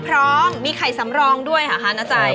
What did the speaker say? พร้อมมีไข่ซ้ำรองด้วยค่ะค่ะณใจ